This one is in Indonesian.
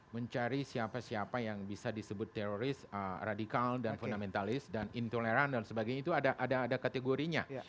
mencari siapa siapa yang bisa disebut teroris radikal dan fundamentalis dan intoleran dan sebagainya itu ada kategorinya